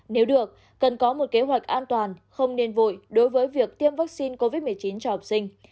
nếu được cần có một kế hoạch an toàn không nên vội đối với việc tiêm vaccine covid một mươi chín cho học sinh